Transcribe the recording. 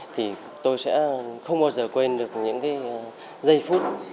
thì tôi sẽ không bao giờ quên được những cái giây phút